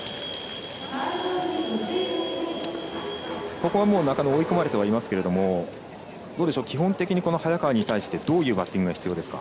ここは中野追い込まれてはいますが基本的に早川に対してどういうバッティングが必要ですか。